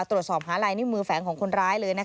ตรวจสอบหาลายนิ้วมือแฝงของคนร้ายเลย